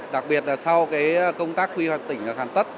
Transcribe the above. đặc biệt là sau công tác quy hoạch tỉnh hàn tất